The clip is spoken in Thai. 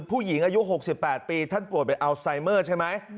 ผู้หญิงอายุ๖๘ปีท่านป่วยเป็นอัลไซเมอร์ใช่ไหม